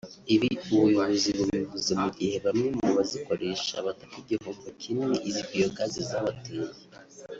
Ibi ubuyobozi bubivuze mu gihe bamwe mubazikoresha bataka igihombo kinini izi biogaz zabateye